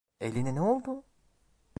Eline ne oldu?